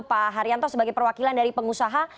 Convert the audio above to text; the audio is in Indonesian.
pak haryanto sebagai perwakilan dari pengusaha